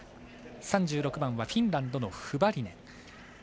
３６番はフィンランドのフバリネン。